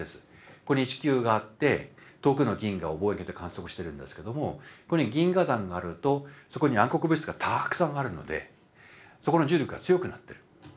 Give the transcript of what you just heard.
ここに地球があって遠くの銀河を望遠鏡で観測してるんですけどもここに銀河団があるとそこに暗黒物質がたくさんあるのでそこの重力が強くなってる。